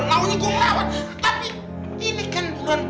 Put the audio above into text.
mau pindah kemana